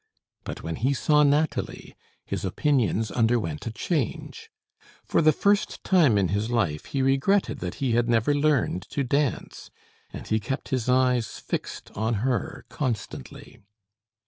But when he saw Nathalie, his opinions underwent a change. For the first time in his life he regretted that he had never learned to dance, and he kept his eyes fixed on her constantly.